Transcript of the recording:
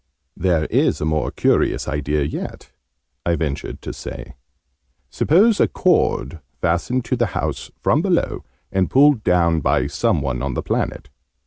"There is a more curious idea yet," I ventured to say. "Suppose a cord fastened to the house, from below, and pulled down by some one on the planet.